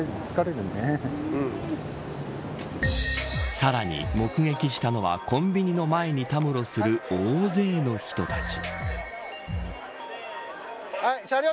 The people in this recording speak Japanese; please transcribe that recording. さらに目撃したのはコンビニの前にたむろする大勢の人たち。